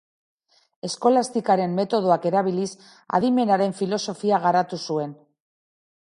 Eskolastikaren metodoak erabiliz, adimenaren filosofia garatu zuen.